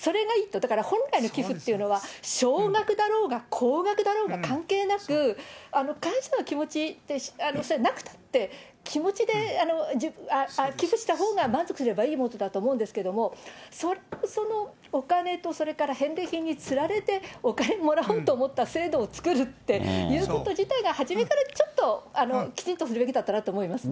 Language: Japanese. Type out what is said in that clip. だから本来の寄付っていうのは、少額だろうが高額だろうが関係なく、感謝の気持ち、それがなくたって気持ちで寄付したほうが満足すればいいものだと思うんですけど、それをそのお金とそれから返礼品に釣られて、お金もらおうと思った制度を作るっていうこと自体が、初めからちょっと、きちんとするべきだったなと思いますね。